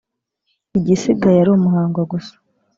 igisigaye ari umuhango gusa